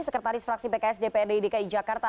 sekretaris fraksi pks dprd dki jakarta